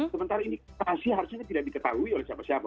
sementara ini rahasia harusnya tidak diketahui oleh siapa siapa